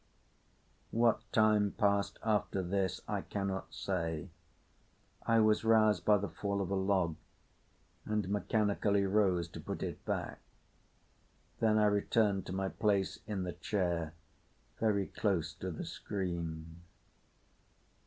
What time passed after this I cannot say. I was roused by the fall of a log, and mechanically rose to put it back. Then I returned to my place in the chair very close to the screen.